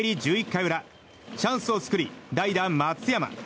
１１回裏チャンスを作り代打、松山。